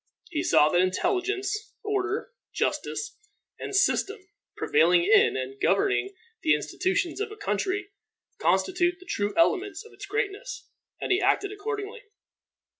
He saw that intelligence, order, justice, and system, prevailing in and governing the institutions of a country, constitute the true elements of its greatness, and he acted accordingly.